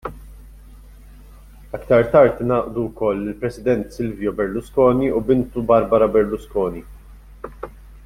Aktar tard ingħaqdu wkoll il-President Silvio Berlusconi u bintu Barbara Berlusconi.